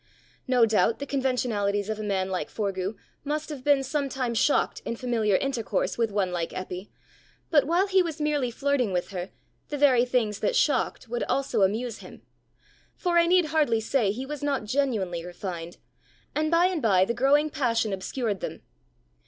No doubt the conventionalities of a man like Forgue must have been sometimes shocked in familiar intercourse with one like Eppy; but while he was merely flirting with her, the very things that shocked would also amuse him for I need hardly say he was not genuinely refined; and by and by the growing passion obscured them.